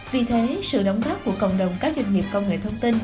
vì thế sự đóng góp của cộng đồng các doanh nghiệp công nghệ thông tin